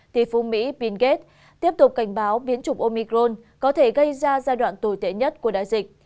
tỷ phú mỹ bill gates tiếp tục cảnh báo biến chủng omicron có thể gây ra giai đoạn tồi tệ nhất của đại dịch